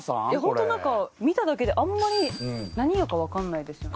ホント何か見ただけであんまり何屋か分かんないですね。